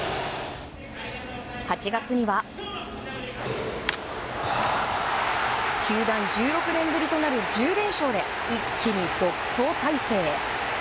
８月には、球団１６年ぶりとなる１０連勝で、一気に独走態勢へ。